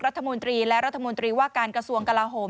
รัฐมนตรีและรัฐมนตรีว่าการกระทรวงกลาโหม